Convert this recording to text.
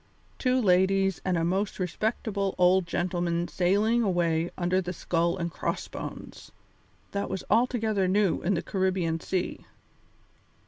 Two ladies and a most respectable old gentleman sailing away under the skull and cross bones! That was altogether new in the Caribbean Sea.